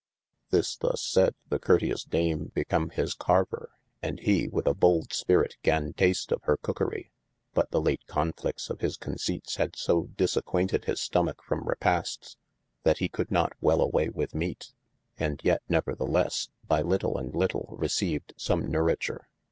This thus sayed, the curteous Dame become his kerver, & he wyth a bold spirite gan tast of hir cokerey. But the late conflicts of his conceipts had so dis |aquainted his stomack from repastes, that he could not wel a way with meate : and yet neverthelesse by lyttle & little receyved some nouryture.